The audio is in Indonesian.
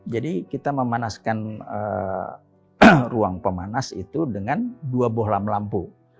jadi kita memanaskan ruang pemanas itu dengan dua bohlam lampu